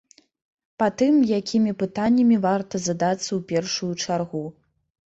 Па тым, якімі пытаннямі варта задацца ў першую чаргу.